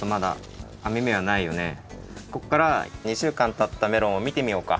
こっから２週間たったメロンをみてみようか。